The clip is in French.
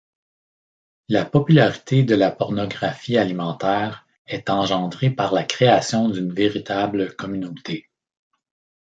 La popularité de la pornographie alimentaire est engendrée par la création d’une véritable communauté.